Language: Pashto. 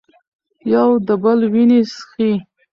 یو د بل وینې څښي.